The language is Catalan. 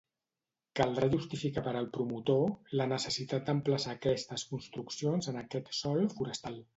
Caldrà justificar per al promotor la necessitat d'emplaçar aquestes construccions en aquest sòl forestal.